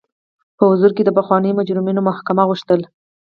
په حضور کې د پخوانیو مجرمینو محاکمه غوښتل.